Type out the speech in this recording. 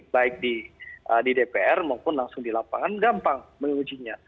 baik di dpr maupun langsung di lapangan gampang mengujinya